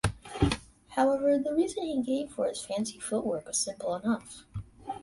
However, the reason he gave for his fancy footwork was simple enough.